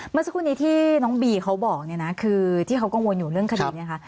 เมื่อสักครู่นี้ที่น้องบีเขาบอกเนี่ยนะคือที่เขากังวลอยู่เรื่องคดีเนี่ยค่ะ